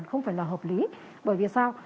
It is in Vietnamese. không phải là hợp lý bởi vì sao